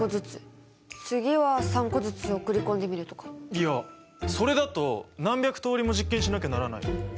いやそれだと何百通りも実験しなきゃならない。